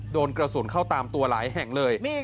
โดนกระสุนเข้าตามตัวหลายแห่งเลย